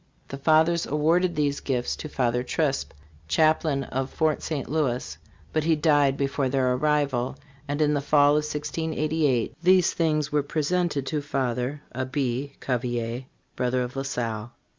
The fathers awarded these gifts to Father Chrisp, chaplain of Fort St. Louis, but he died before their arrival, and in the fall of 1688 these things were presented to Father [Abbe] Cav elier, brother of La Salle.